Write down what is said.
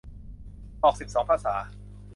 ออกสิบสองภาษา